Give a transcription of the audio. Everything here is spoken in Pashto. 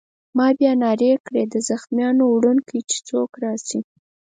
ما بیا نارې کړې: د زخمیانو وړونکی! چې څوک راشي.